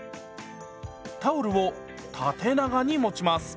タオルを縦長に持ちます。